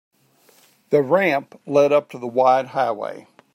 The ramp led up to the wide highway.